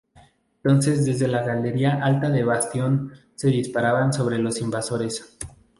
Entonces desde la galería alta del bastión se disparaban sobre los invasores.